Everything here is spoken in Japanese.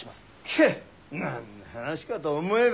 ケッ何の話かと思えば。